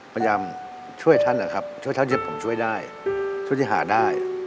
พยายามช่วยท่านนะครับช่วยท่านที่ผมช่วยได้ช่วยที่หาได้